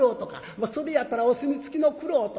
「それやったらお墨付きの玄人」。